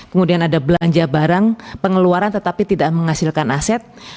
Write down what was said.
kemudian ada belanja barang pengeluaran tetapi tidak menghasilkan aset